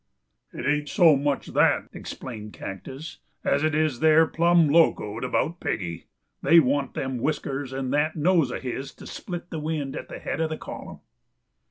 "It ain't so much that," explained Cactus, "as it is they're plum locoed about Piggy. They want them whiskers and that nose of his to split the wind at the head of the column."